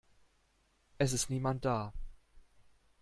Es ist niemand da.